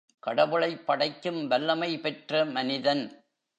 கடவுளைப் படைக்கும் வல்லமை பெற்ற மனிதன்.